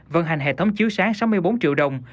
vận hành hệ thống chiếu sáng sáu mươi bốn triệu đồng